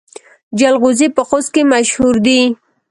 جلغوزي په خوست کې مشهور دي